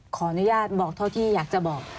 ขออนุญาตบอกเท่าที่อยากจะบอก